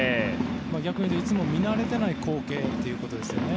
逆に言うと、いつも見慣れてない光景ということですよね。